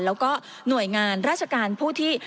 แล้วก็หน่วยงานราชการผู้ที่